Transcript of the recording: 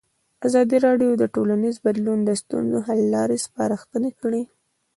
ازادي راډیو د ټولنیز بدلون د ستونزو حل لارې سپارښتنې کړي.